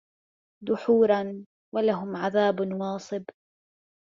دُحُورًا وَلَهُمْ عَذَابٌ وَاصِبٌ